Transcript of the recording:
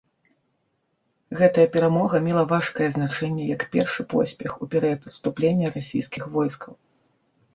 Гэтая перамога мела важкае значэнне як першы поспех у перыяд адступлення расійскіх войскаў.